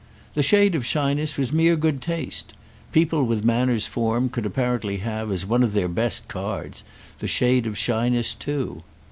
The shade of shyness was mere good taste. People with manners formed could apparently have, as one of their best cards, the shade of shyness too.